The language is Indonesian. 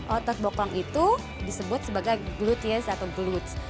otot bokong itu disebut sebagai gluteus atau glutes